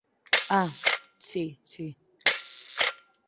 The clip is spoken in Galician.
Ah, si, si.